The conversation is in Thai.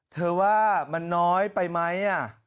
เธอว่ามันน้อยไปไหม